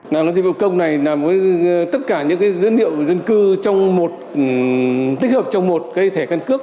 làm dịch vụ công này làm tất cả những dữ liệu dân cư tích hợp trong một thẻ căn cước